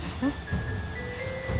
tahu nih sultan